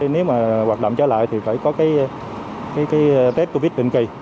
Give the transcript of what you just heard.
nếu mà hoạt động trở lại thì phải có cái tết covid định kỳ